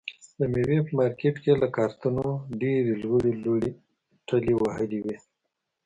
د مېوې په مارکېټ کې یې له کارتنو ډېرې لوړې لوړې ټلې وهلې وي.